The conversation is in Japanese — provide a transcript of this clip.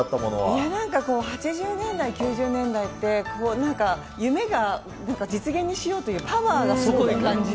いやなんかこう、８０年代、９０年代って、なんか、夢が実現にしようというパワーがすごい感じて。